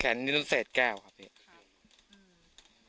แขนนี้โดนเศษแก้วครับพี่